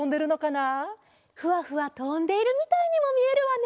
ふわふわとんでいるみたいにもみえるわね。